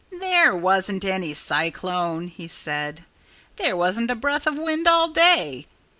"There wasn't any cyclone," he said. "There wasn't a breath of wind all day.